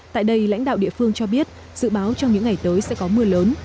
tại đây lãnh đạo địa phương cho biết dự báo trong những ngày tới sẽ có mưa lớn